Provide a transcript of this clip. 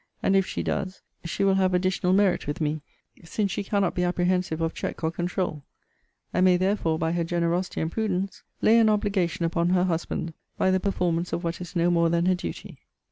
And if she does, she will have additional merit with me; since she cannot be apprehensive of check or controul; and may therefore, by her generosity and prudence, lay an obligation upon her husband, by the performance of what is no more than her duty.